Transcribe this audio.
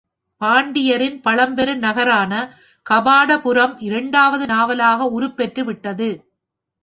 பாண்டியர்களின் பழம்பெரு நகரான கபாடபுரம் இரண்டாவது நாவலாக உருப்பெற்று விட்டது.